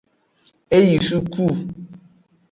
E yi suku.